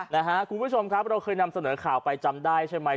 คุณผู้ชมครับเราเคยนำเสนอข่าวไปจำได้ใช่ไหม